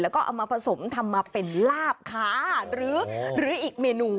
แล้วก็เอามาผสมทำมาเป็นลาบค้าหรืออีกเมนู